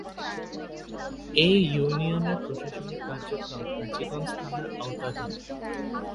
এ ইউনিয়নের প্রশাসনিক কার্যক্রম হাজীগঞ্জ থানার আওতাধীন।